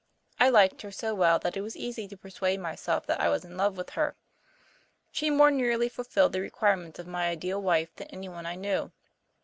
I liked her so well that it was easy to persuade myself that I was in love with her. She more nearly fulfilled the requirements of my ideal wife than anyone I knew.